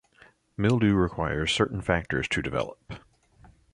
Mildew requires certain factors to develop.